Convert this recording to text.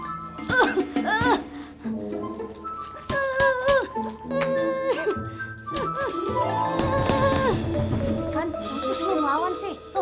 kan harusnya mau melawan sih